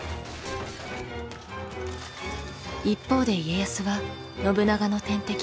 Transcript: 一方で家康は信長の天敵